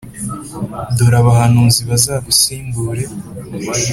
dore abahanuzi bazagusimbure;